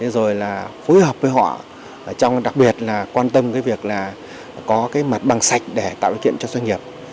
rồi phối hợp với họ trong đặc biệt quan tâm việc có mặt bằng sạch để tạo ý kiện cho doanh nghiệp